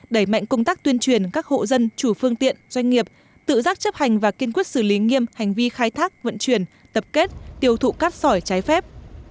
đẩy mạnh công tác tuyên truyền các hộ dân chủ phương tiện doanh nghiệp tự giác chấp hành và kiên quyết xử lý nghiêm hành vi khai thác vận chuyển tập kết tiêu thụ cát sỏi trái phép